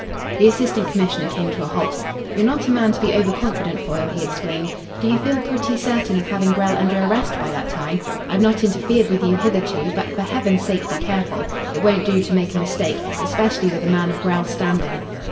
The Assistant Commissioner came to a halt. "You're not a man to be over confident, Foyle," he explained. "Do you feel pretty certain of having Grell under arrest by that time? I've not interfered with you hitherto, but for heaven's sake be careful. It won't do to make a mistake especially with a man of Grell's standing."